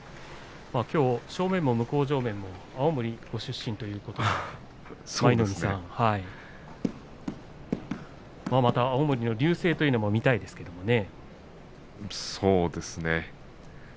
きょうは正面、向正面も青森県出身ということで舞の海さん青森の隆盛を見たいですね。